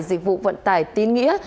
dịch vụ vận tải tín nghĩa